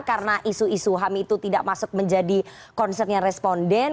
karena isu isu ham itu tidak masuk menjadi konsernya responden